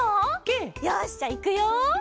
よしじゃあいくよ！